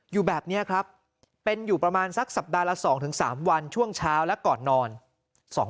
อยู่แบบนี้ครับเป็นอยู่ประมาณสักสัปดาห์ละ๒๓วันช่วงเช้าและก่อนนอน